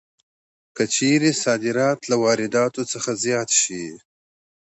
که چېرې صادرات له وارداتو څخه زیات شي